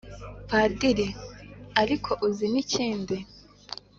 padiri:"ariko uzi n' ikindi ??